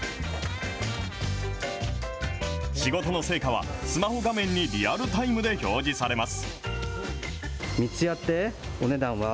仕事の成果は、スマホ画面にリアルタイムで表示されます。